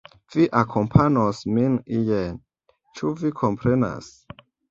Vi akompanos min ien. Ĉu vi komprenas?